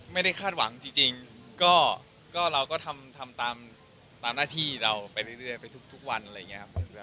ไม่ได้คาดหวังจริงก็เราก็ทำตามหน้าที่เราไปเรื่อยไปทุกวันอะไรอย่างนี้ครับ